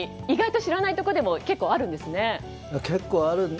意外と知らないところでも結構あるんですね。